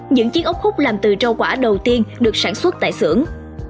những chiếc ốc hút làm từ rau quả đầu tiên được sản xuất tại xưởng